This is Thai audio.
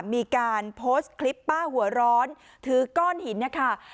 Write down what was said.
มีการโพสต์คลิปป้าหัวร้อนถือก้อนหินนะคะ